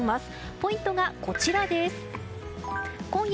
ポイントがこちらです。